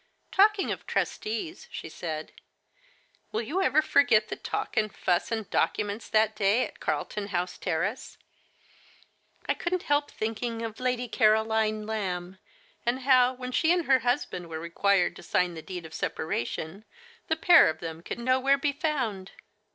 " Talking of trustees," she said, " will you ever forget the talk, and fuss, and documents that day at Carlton House Terrace? I couldn't help Digitized by Google HELEM MATHERS. IJ thinking of Lady Caroline Lamb, and how, when she and her husband were required to sign the deed of separation, the pair of them could no where be found